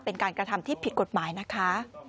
เป็นการกระทำที่ผิดกฎหมายนะคะ